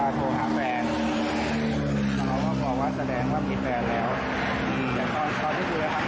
แต่ตอนที่คุยกันครั้งแรกเขาก็บอกว่าเขาโสด